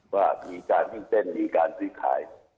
ว่ามีการวิ่งเต้นมีการซื้อขาย